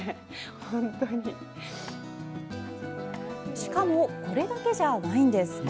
しかも、これだけじゃないんです。